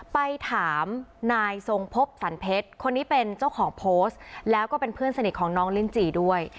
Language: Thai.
ไปถามนายทรงพบสันเพชรคนนี้เป็นเจ้าของโพสต์แล้วก็เป็นเพื่อนสนิทของน้องลิ้นจีด้วย